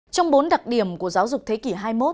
trong bốn đặc điểm của giáo dục thế kỷ hai mươi một